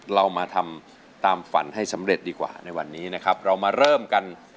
เรามาทำตามฝันให้สำเร็จดีกว่าในวันนี้นะครับเรามาเริ่มกัน